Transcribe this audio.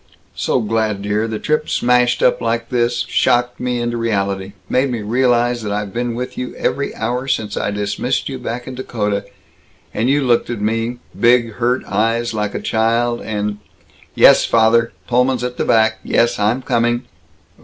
So glad, dear, the trip smashed up like this shocked me into reality made me realize I've been with you every hour since I dismissed you, back in Dakota, and you looked at me, big hurt eyes, like a child, and Yes, father, Pullman's at the back. Yes, I'm coming!"